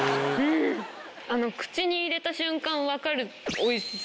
口に入れた瞬間分かるおいしさ。